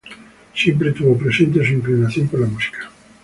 Siempre tuvo presente su inclinación por la música.